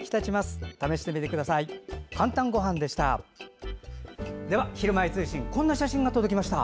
「かんたんごはん」でした。